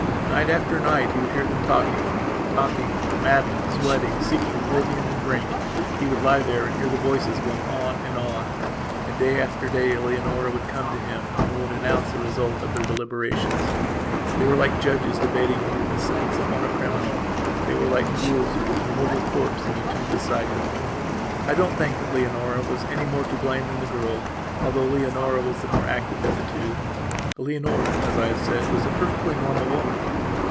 Night after night he would hear them talking; talking; maddened, sweating, seeking oblivion in drink, he would lie there and hear the voices going on and on. And day after day Leonora would come to him and would announce the results of their deliberations. They were like judges debating over the sentence upon a criminal; they were like ghouls with an immobile corpse in a tomb beside them. I don't think that Leonora was any more to blame than the girlthough Leonora was the more active of the two. Leonora, as I have said, was the perfectly normal woman.